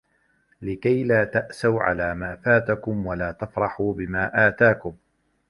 لِكَيْلَا تَأْسَوْا عَلَى مَا فَاتَكُمْ وَلَا تَفْرَحُوا بِمَا آتَاكُمْ